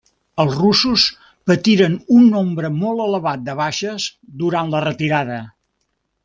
Els russos patiren un nombre molt elevat de baixes durant la retirada.